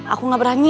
aku gak berani